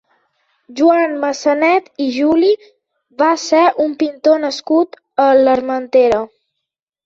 Joan Massanet i Juli va ser un pintor nascut a l'Armentera.